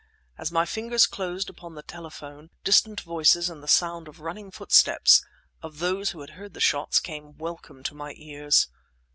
As my fingers closed upon the telephone, distant voices and the sound of running footsteps (of those who had heard the shots) came welcome to my ears.